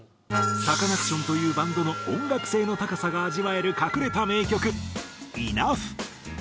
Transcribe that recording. サカナクションというバンドの音楽性の高さが味わえる隠れた名曲『ｅｎｏｕｇｈ』。